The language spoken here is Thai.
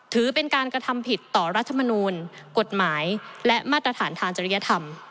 ถือเป็นการกระทำผิดต่อรัฐมนูลกฎหมายและมาตรฐานทางจริยธรรม